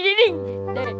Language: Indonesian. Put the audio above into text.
dan dan dan